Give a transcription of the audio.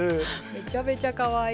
めちゃめちゃかわいい。